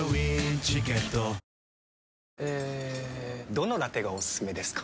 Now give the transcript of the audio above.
どのラテがおすすめですか？